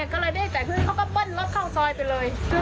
ก็เลยได้แต่ขึ้นเขาก็เบิ้ลรถเข้าซอยไปเลย